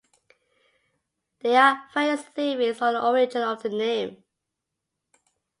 There are various theories on the origin of the name.